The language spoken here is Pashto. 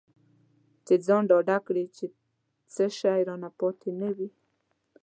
چې ځان ډاډه کړي چې څه شی رانه پاتې نه وي.